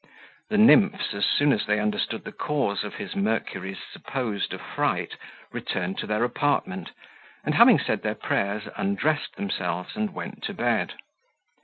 The nymphs, as soon as they understood the cause of his Mercury's supposed affright, returned to their apartment, and, having said their prayers, undressed themselves, and went to bed.